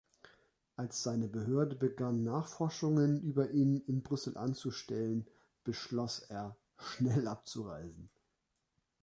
Als seine Behörde begann, Nachforschungen über ihn in Brüssel anzustellen, beschloss er „schnell abzureisen“.